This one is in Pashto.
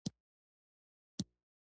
خټکی د پاکو خلکو خوړ دی.